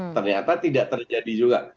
ternyata tidak terjadi juga